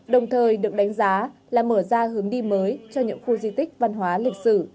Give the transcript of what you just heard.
đồng thời được đánh giá là mở ra hướng đi mới cho những khu di tích văn hóa lịch sử